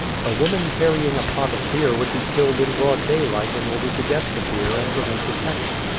" A woman carrying a pot of beer would be killed in broad daylight in order to get the beer and prevent detection.